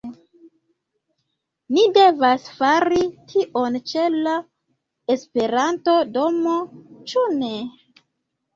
Ni devas fari tion ĉe la Esperanto-domo, ĉu ne?